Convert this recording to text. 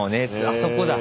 あそこだ。